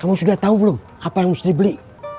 kamu sudah tahu belum apa yang mesti dibeli